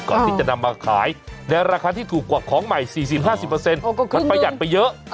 ก่อนที่จะนำมาขายในราคาที่ถูกกว่าของใหม่๔๐๕๐มันประหยัดไปเยอะ